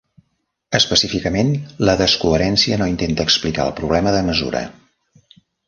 Específicament, la descohèrencia no intenta explicar el problema de mesura.